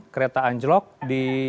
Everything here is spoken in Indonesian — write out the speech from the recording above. kereta anjlok di